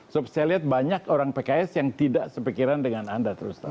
supaya saya lihat banyak orang pks yang tidak sepikiran dengan anda